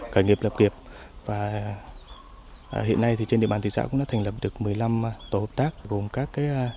cải nghiệp lập kiệp hiện nay trên địa bàn thị xã cũng đã thành lập được một mươi năm tổ hợp tác gồm các